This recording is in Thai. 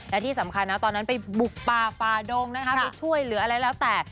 และที่สำคัญนะตอนนั้นไปบุกป่าฟาดงนะคะไปช่วยหรืออะไรแล้วแต่